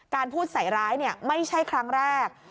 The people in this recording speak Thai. การพูดใส่ร้ายไม่ใช่ครั้งแรก